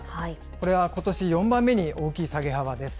これはことし４番目に大きい下げ幅です。